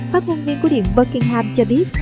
phát ngôn viên của điện buckingham cho biết